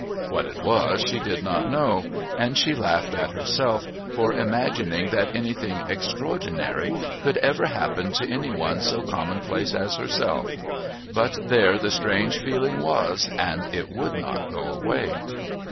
What it was she did not know, and she laughed at herself for imagining that anything extraordinary could ever happen to any one so commonplace as herself, but there the strange feeling was and it would not go away.